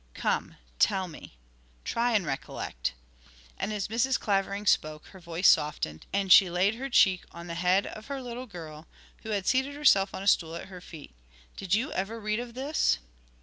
Come, tell me; try and recollect.' And as Mrs. Clavering spoke her voice softened, and she laid her cheek on the head of her little girl, who had seated herself on a stool at her feet. 'Did you ever read of this?'